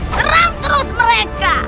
serang terus mereka